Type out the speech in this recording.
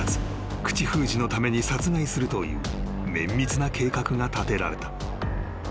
口封じのために殺害するという綿密な計画が立てられた］